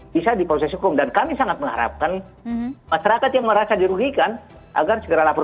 bisa diproses hukum dan kami sangat mengharapkan masyarakat yang merasa dirugikan agar segera lapor